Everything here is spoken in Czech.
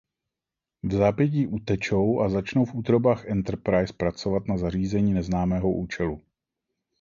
Vzápětí utečou a začnou v útrobách Enterprise pracovat na zařízení neznámého účelu.